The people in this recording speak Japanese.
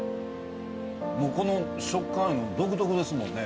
この食感独特ですもんね。